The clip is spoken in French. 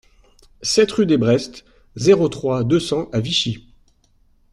sept rue Desbrest, zéro trois, deux cents à Vichy